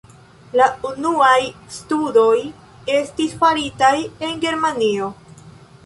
La unuaj studoj estis faritaj en Germanio.